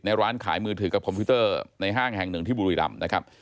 ร้านขายมือถือกับคอมพิวเตอร์ในห้างแห่งหนึ่งที่บุรีรำนะครับ